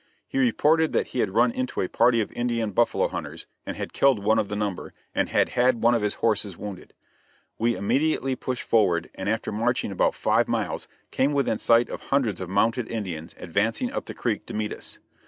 He reported that he had run into a party of Indian buffalo hunters, and had killed one of the number, and had had one of his horses wounded. We immediately pushed forward and after marching about five miles came within sight of hundreds of mounted Indians advancing up the creek to meet us.